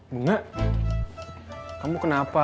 bunga kamu kenapa